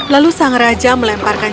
lalu sang raja melemparkan